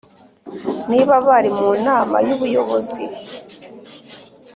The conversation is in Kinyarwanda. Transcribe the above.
Niba bari mu nama y’ubuyobozi